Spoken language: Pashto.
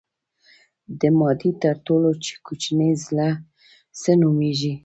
د مادې تر ټولو کوچنۍ ذره څه نومیږي.